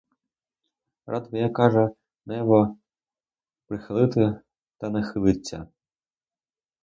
Рад би я, — каже, — небо прихилити, та не хилиться!